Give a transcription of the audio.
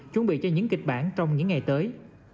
chuẩn bị cho những kịch bản trong những ngày tới